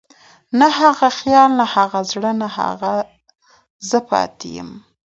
نه هغه خيال، نه هغه زړه، نه هغه زه پاتې يم